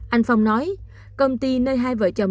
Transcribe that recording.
anh phong nói công ty nơi hai vợ chồng